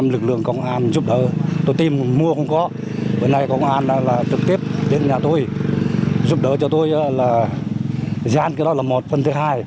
lực lượng công an giúp đỡ tôi tìm mua không có bữa nay công an trực tiếp đến nhà tôi giúp đỡ cho tôi là dán cái đó là một phần thứ hai